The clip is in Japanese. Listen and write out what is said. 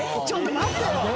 ちょっと待ってよ！